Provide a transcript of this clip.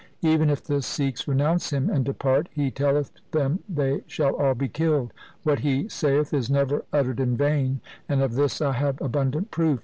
Even if the Sikhs renounce him and depart, he telleth them they shall all be killed. What he saith is never uttered in vain, and of this I have abundant proof.